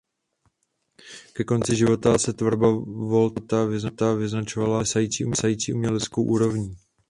Ke konci života se tvorba Walter Scotta vyznačovala klesající uměleckou úrovní.